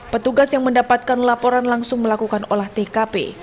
petugas yang mendapatkan laporan langsung melakukan olah tkp